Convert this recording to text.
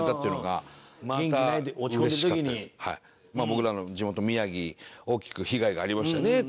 僕らの地元宮城大きく被害がありましたね当時。